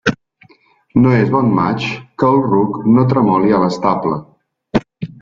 No és bon maig, que el ruc no tremoli a l'estable.